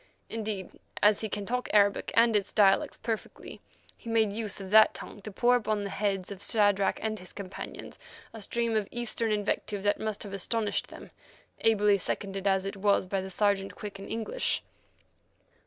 Indeed, as he can talk Arabic and its dialects perfectly, he made use of that tongue to pour upon the heads of Shadrach and his companions a stream of Eastern invective that must have astonished them, ably seconded as it was by Sergeant Quick in English.